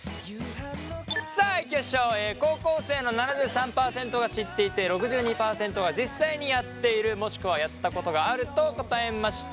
さあいきましょう高校生の７３％が知っていて６２％が実際にやっているもしくはやったことがあると答えました。